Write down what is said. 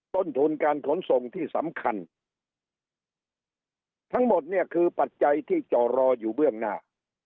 ต้นทุนการขนส่งที่สำคัญทั้งหมดเนี่ยคือปัจจัยที่จอรออยู่เบื้องหน้า